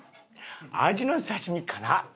「アジの刺身かな？